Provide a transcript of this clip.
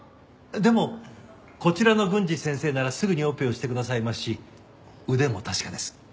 でもこちらの郡司先生ならすぐにオペをしてくださいますし腕も確かです。